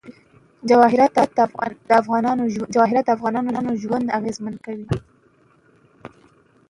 جواهرات د افغانانو ژوند اغېزمن کوي.